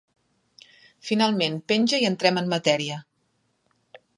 Finalment penja i entrem en matèria.